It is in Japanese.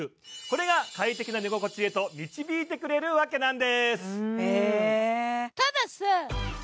これが快適な寝心地へと導いてくれるわけなんですへえ